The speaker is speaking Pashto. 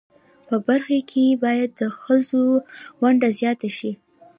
په برخه کښی باید د خځو ونډه ځیاته شی